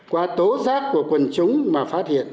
qua tố giác của quần chúng mà phát hiện